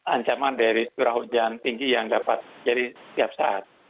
ancaman dari curah hujan tinggi yang dapat jadi setiap saat